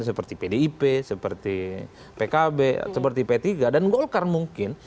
seperti pdip seperti pkb seperti p tiga dan golkar mungkin